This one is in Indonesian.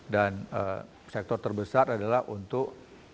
dan sektor terbesar adalah untuk